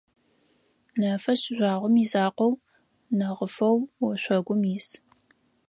Нэфышъ жъуагъом изакъоу, нэгъыфэу ошъогум ис.